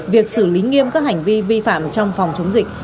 việc xử lý nghiêm các hành vi vi phạm trong phòng chống dịch